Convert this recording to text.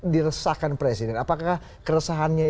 dyresahkan presiden apakah keresahannya